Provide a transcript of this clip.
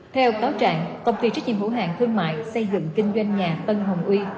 theo cáo trạng công ty trách nhiệm hữu hạng thương mại xây dựng kinh doanh nhà tân hồng uy